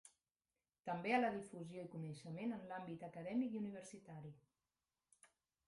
També a la difusió i coneixement en l’àmbit acadèmic i universitari.